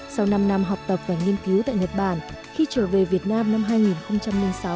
sau năm năm học tập và nghiên cứu tại nhật bản khi trở về việt nam năm hai nghìn sáu